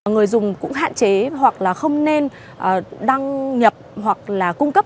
người dùng cũng hạn chế hoặc là không nên đăng nhập hoặc là cung cấp